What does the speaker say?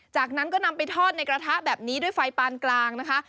จากนั้นก็นำไปทอดในกระทะแบบนี้ด้วยไฟปานกลางนะคะ